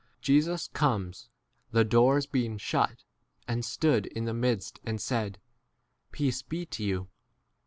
Jesus comes, the doors being shut, and stood in the midst 2 7 and said, Peace [be] to you.